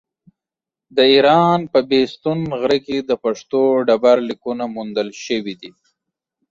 د ايران په بېستون غره کې د پښتو ډبرليکونه موندل شوي دي.